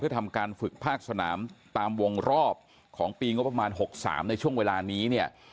เพื่อทำการฝึกภาคสนามตามวงรอบของปีประมาณ๖๓ในช่วงเวลานี้